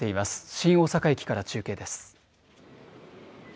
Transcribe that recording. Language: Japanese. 新大阪駅から中継です。